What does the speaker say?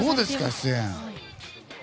出演。